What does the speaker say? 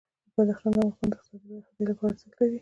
بدخشان د افغانستان د اقتصادي ودې لپاره ارزښت لري.